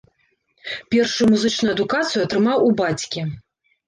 Першую музычную адукацыю атрымаў у бацькі.